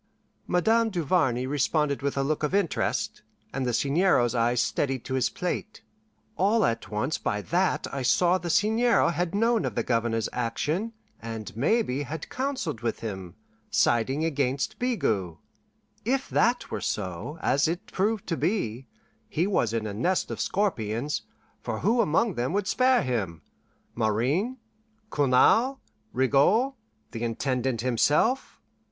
Madame Duvarney responded with a look of interest, and the Seigneur's eyes steadied to his plate. All at once by that I saw the Seigneur had known of the Governor's action, and maybe had counseled with him, siding against Bigot. If that were so as it proved to be he was in a nest of scorpions; for who among them would spare him: Marin, Cournal, Rigaud, the Intendant himself?